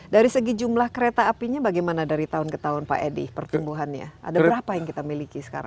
dari segi jumlah kereta apinya bagaimana dari tahun ke tahun pak edi pertumbuhannya ada berapa yang kita miliki sekarang